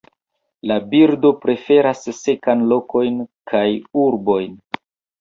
La birdo preferas sekajn lokojn kaj urbojn.